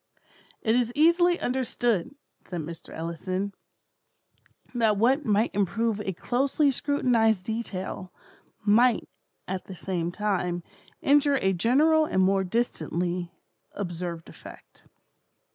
"It is easily understood," says Mr. Ellison, "that what might improve a closely scrutinized detail, might, at the same time, injure a general and more distantly observed effect."